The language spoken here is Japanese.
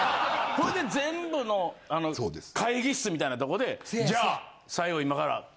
それで全部の会議室みたいなとこでじゃあ最後。